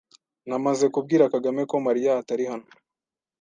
Namaze kubwira Kagame ko Mariya atari hano.